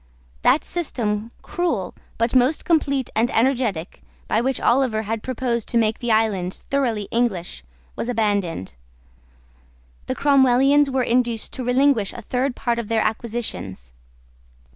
That system, cruel, but most complete and energetic, by which Oliver had proposed to make the island thoroughly English, was abandoned. The Cromwellians were induced to relinquish a third part of their acquisitions.